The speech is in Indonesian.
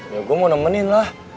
ya gue mau nemenin lah